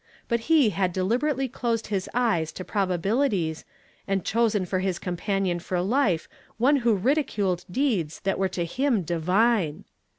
But he had deliberately closed his eyes to i)roba bilities, and chosen for his companion for life one who ridiculed deeds that were to liim divine!